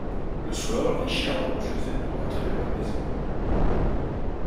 Le soir, les chiens ont refusé de rentrer à la maison.